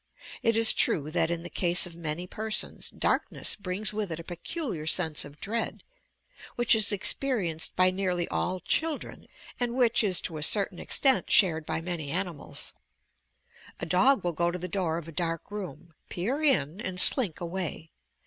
It is true that in the case of many persons, darkness brings with it a peculiar sense of dread, which is ex perienced by nearly all children and which is to a certain extent shared by many animals. A dog will go to the door of a dark room, peer in and slink away.